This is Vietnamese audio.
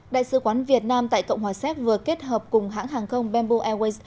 đại sứ quán việt nam tại cộng hòa séc vừa kết hợp cùng hãng hàng không bamboo airways